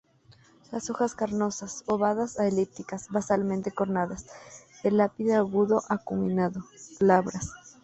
Las hojas carnosas, ovadas a elípticas, basalmente cordadas, el ápice agudo a acuminado, glabras.